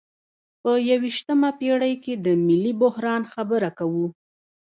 په یویشتمه پیړۍ کې د ملي بحران خبره کوو.